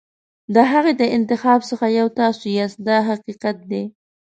د هغې د انتخاب څخه یو تاسو یاست دا حقیقت دی.